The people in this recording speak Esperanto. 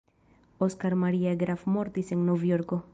Oskar Maria Graf mortis en Novjorko.